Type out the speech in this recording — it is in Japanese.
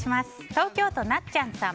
東京都の方。